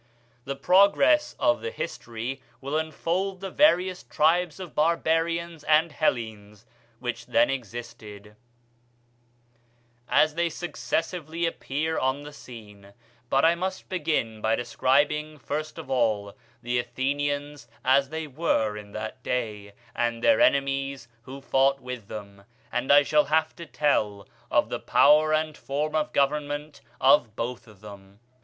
The progress of the history will unfold the various tribes of barbarians and Hellenes which then existed, as they successively appear on the scene; but I must begin by describing, first of all, the Athenians as they were in that day, and their enemies who fought with them; and I shall have to tell of the power and form of government of both of them.